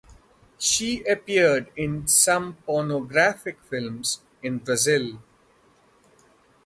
She appeared in some pornographic films in Brazil.